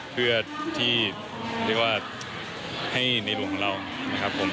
เพื่อที่เรียกว่าให้ในหลวงของเรานะครับผม